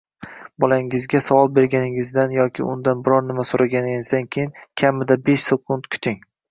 Bolangizga savol berganingizdan yoki undan biror nima so‘raganingizdan keyin kamida besh sekund kuting